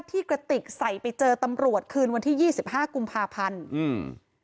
ที่กะติกใส่ไปเจอตำรวจคืนวันที่๒๕กุมภาพันธุ์อืม